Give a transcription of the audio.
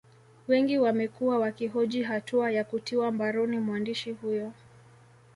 Wengi wamekuwa wakihoji hatua ya kutiwa mbaroni mwandishi huyo